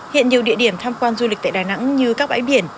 hiện nhiều địa điểm tham quan du lịch tại đà nẵng như các bãi biển